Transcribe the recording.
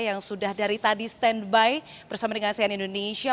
yang sudah dari tadi stand by bersama dengan cnn indonesia